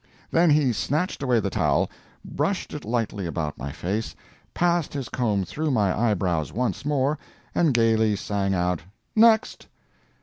Then he snatched away the towel, brushed it lightly about my face, passed his comb through my eyebrows once more, and gayly sang out "Next!"